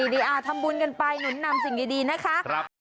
ทำบุญกันไปหนุนนำสิ่งดีนะคะ